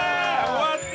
終わった！